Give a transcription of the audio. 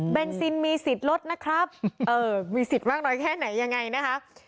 ซินมีสิทธิ์ลดนะครับมีสิทธิ์มากน้อยแค่ไหนยังไงนะคะ